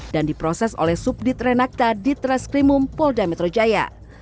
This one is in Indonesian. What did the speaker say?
dan diproses oleh subdit renakta ditreskrimum polda metro jaya